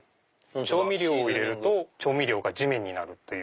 調味料を入れると調味料が地面になるという。